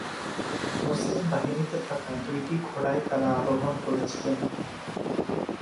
মুসলিম বাহিনীতে থাকা দুইটি ঘোড়ায় তারা আরোহণ করেছিলেন।